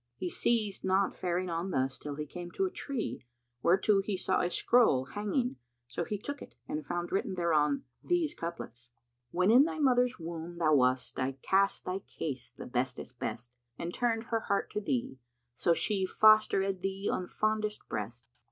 He ceased not faring on thus, till he came to a tree whereto he saw a scroll hanging: so he took it and found written thereon these couplets, "When in thy mother's womb thou wast, * I cast thy case the bestest best; And turned her heart to thee, so she * Fosterčd thee on fondest breast.